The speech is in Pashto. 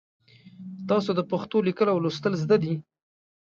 تاسو د پښتو لیکل او لوستل زده دي؟